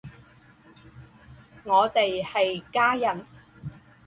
我们是家人！